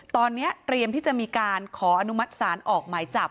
ตอนนี้เตรียมที่จะมีการขออนุมัติศาลออกหมายจับ